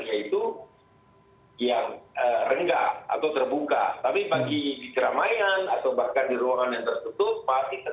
masih tetap diminta untuk menggunakan masker